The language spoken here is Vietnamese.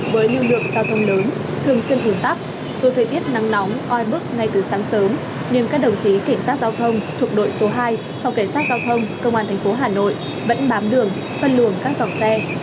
với lưu lượng giao thông lớn thường chuyên thường tắp dù thời tiết nắng nóng oai bức ngay từ sáng sớm nhưng các đồng chí kể sát giao thông thuộc đội số hai phòng kể sát giao thông công an thành phố hà nội vẫn bám đường phân lường các dòng xe